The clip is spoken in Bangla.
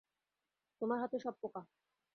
তোমার হাতে সব পোকা।